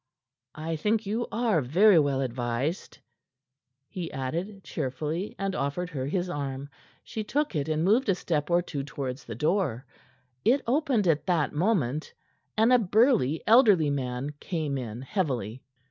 "I think you are very well advised," he added cheerfully and offered her his arm. She took it, and moved a step or two toward the door. It opened at that moment, and a burly, elderly man came in heavily.